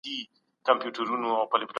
څنګه واردات پر نورو هیوادونو اغیز کوي؟